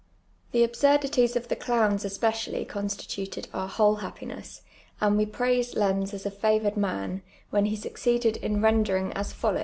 The absiirdities of the clowns especially constituted our whole haj)piness, and we ])raiscd Lenz as a favoured man, when he succeeded in rendering as follow!?